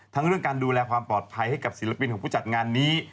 เรื่องการดูแลความปลอดภัยให้กับศิลปินของผู้จัดงานนี้